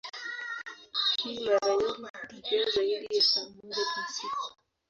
Hii mara nyingi hutokea zaidi ya saa moja kwa siku.